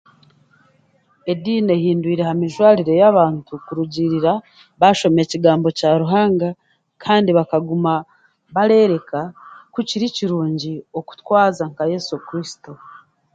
Ediini ehindwiire aha mijwarire y'abantu kurugiirira bashoma ekigambo kya Ruhanga kandi bakaguma barereka kukiri kirungi okutwaza nka yesu kuristo.